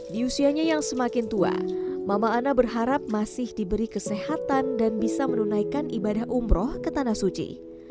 di usianya yang semakin tua mama ana berharap masih diberi kesehatan dan bisa menunaikan ibadah umroh ke tanah suci